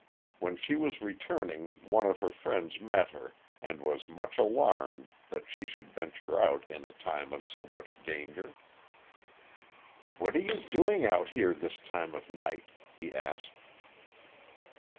When she was returning one of her friends met her and was much alarmed that she should venture out in a time of so much danger. "What are you doing out here this time of night?" he asked.